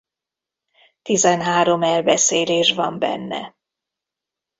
Tizenhárom elbeszélés van benne.